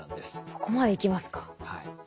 そこまでいきますか？